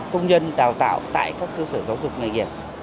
công nhân đào tạo tại các cơ sở giáo dục nghề nghiệp